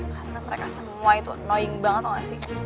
karena mereka semua itu annoying banget tau gak sih